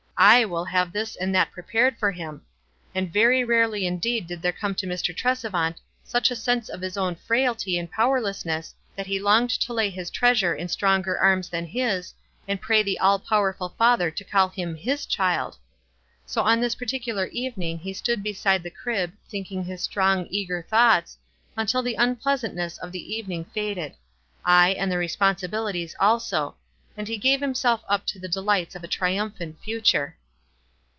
/ will have this and that prepared for him ; and very rarely indeed did there come to Mr. Tresevant such a sense of his own frailty WISE AND OTHERWISE. 327 and powerlessness that he longed to lay his treasure in stronger arms than his, and pray the all powerful Father to call him his child. So on this particular evening he stood beside the crib, thinking his strong, eager thoughts, until the unpleasantness of the evening faded — aye, and the responsibilities also — and he gave him self up to the delights of a triumphant future.